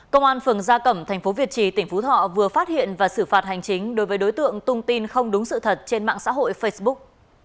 công an phường gia cẩm tp việt trì tỉnh phú thọ vừa phát hiện và xử phạt hành chính đối với đối tượng tung tin không đúng sự thật trên mạng xã hội facebook